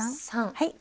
はい。